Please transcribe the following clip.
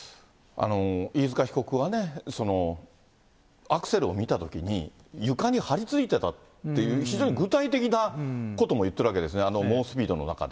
飯塚被告は、アクセルを見たときに、床に張りついていたという、非常に具体的なことも言ってるわけですね、あの猛スピードの中で。